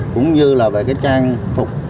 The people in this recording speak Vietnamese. cũng như là về cái trang phục